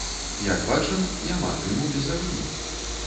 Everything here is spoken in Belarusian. Як бачым, няма дыму без агню.